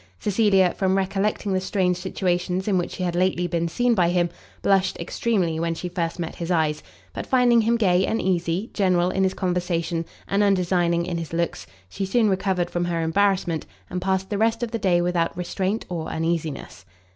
Cecilia, from recollecting the strange situations in which she had lately been seen by him, blushed extremely when she first met his eyes; but finding him gay and easy, general in his conversation, and undesigning in his looks, she soon recovered from her embarrassment, and passed the rest of the day without restraint or uneasiness.